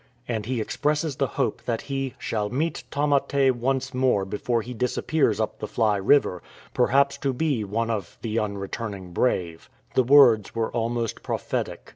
And he expresses the hope that he " shall meet Tamate once more before he 295 THE LAST EXPEDITION disappears up the Fly River, perhaps to be one of ' the unreturning brave."*"" The words were almost prophetic.